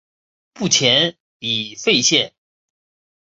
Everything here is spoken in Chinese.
目前已废线。